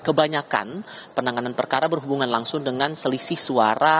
kebanyakan penanganan perkara berhubungan langsung dengan selisih suara